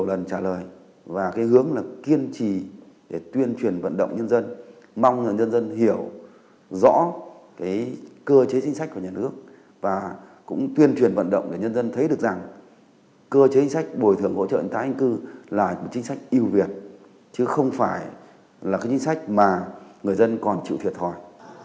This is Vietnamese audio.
nhiều lần trả lời và cái hướng là kiên trì để tuyên truyền vận động nhân dân mong là nhân dân hiểu rõ cái cơ chế chính sách của nhà nước và cũng tuyên truyền vận động để nhân dân thấy được rằng cơ chế chính sách bồi thường hỗ trợ người ta hình cư là chính sách yêu việt chứ không phải là cái chính sách mà người dân còn chịu thiệt hỏi